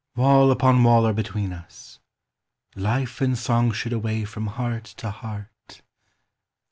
Wall upon wall are between us: life And song should away from heart to heart!